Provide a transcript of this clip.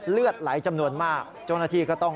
เลือดไหลจำนวนมากเจ้าหน้าที่ก็ต้อง